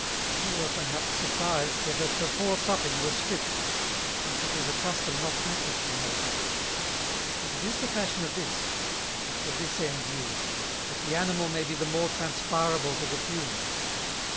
You were, perhaps, surprised, that before supper you were stript, since it is a Custom not practised in your Country; but it is the fashion of this, and for this end used, that the Animal may be the more transpirable to the Fumes."